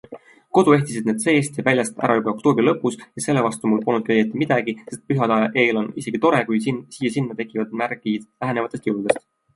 Kodu ehtisid nad seest ja väljast ära juba oktoobri lõpus ja selle vastu mul polnudki õieti midagi, sest pühade eel on isegi tore, kui siia-sinna tekivad märgid lähenevatest jõuludest.